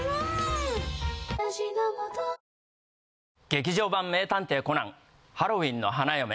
劇場版『名探偵コナンハロウィンの花嫁』